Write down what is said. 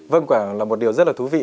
vâng quảng là một điều rất là thú vị